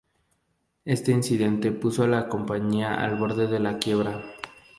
Este incidente puso a la compañía al borde de la quiebra.